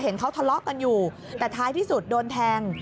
เห็นเขาทะเลาะกันอยู่แต่ท้ายที่สุดโดนแทง